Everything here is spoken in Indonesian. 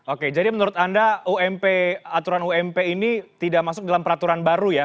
oke jadi menurut anda ump aturan ump ini tidak masuk dalam peraturan baru ya